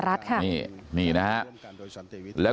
ขอบคุณเลยนะฮะคุณแพทองธานิปรบมือขอบคุณเลยนะฮะ